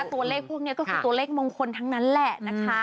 ตัวเลขพวกนี้ก็คือตัวเลขมงคลทั้งนั้นแหละนะคะ